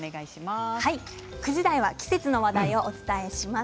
９時台は季節の話題をお伝えします。